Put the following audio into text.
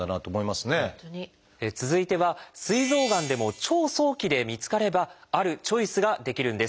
続いてはすい臓がんでも超早期で見つかればあるチョイスができるんです。